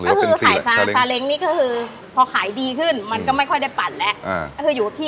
ก็คือขายซาเล้งนี่ก็คือพอขายดีขึ้นมันก็ไม่ค่อยได้ปั่นแล้ว